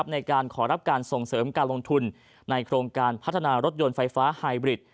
ในการขอรับการส่งเสริมการลงทุนในโครงการพัฒนารถยนต์ไฟฟ้าไฮบริด